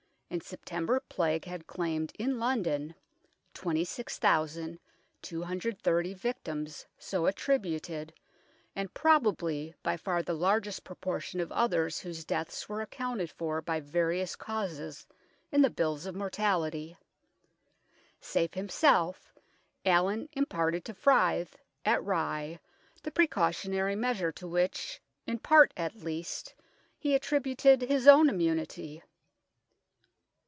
In September Plague had claimed in London 26,230 victims so attri buted, and probably by far the larger proportion of others whose deaths were accounted for by various causes in the bills of mortality. Safe himself, Allin imparted to Fryth, at Rye, the precautionary measure to which, in part at least, he attributed his own immunity.